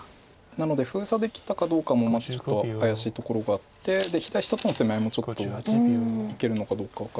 なので封鎖できたかどうかもまたちょっと怪しいところがあって左下との攻め合いもちょっといけるのかどうか分からないので。